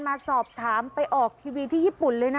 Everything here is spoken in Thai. มาสอบถามไปออกทีวีที่ญี่ปุ่นเลยนะ